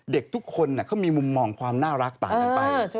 เด็กทุกคนเขามีมุมมองความน่ารักต่างกันไป